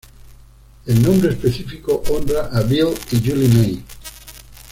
El nombre específico honra a Bill y Julie May.